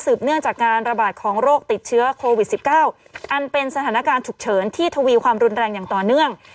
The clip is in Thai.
เนื่องจากการระบาดของโรคติดเชื้อโควิด๑๙อันเป็นสถานการณ์ฉุกเฉินที่ทวีความรุนแรงอย่างต่อเนื่อง